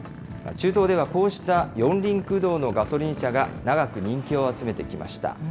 中東では、こうした四輪駆動のガソリン車が、長く人気を集めてきました。